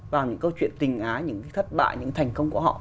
vào những câu chuyện tình ái những cái thất bại những thành công của họ